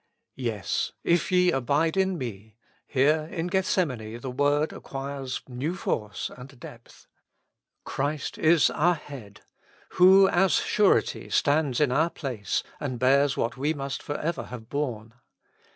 Yes, " If ye abide in me ;" here in Gethsemane the word acquires new force and depth. Christ is our Head, who as surety stands in our place, and bears what we must for ever have borne.